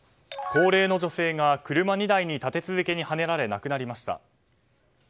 高齢の女性が車２台に立て続けにはねられ亡くなりました。